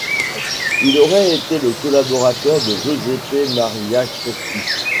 Il aurait été le collaborateur de Giuseppe Maria Crespi.